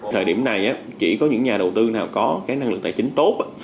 thời điểm này chỉ có những nhà đầu tư nào có cái năng lực tài chính tốt